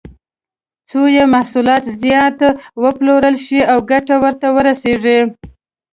څو یې محصولات زیات وپلورل شي او ګټه ورته ورسېږي.